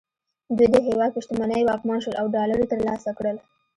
دوی د هېواد په شتمنیو واکمن شول او ډالر یې ترلاسه کړل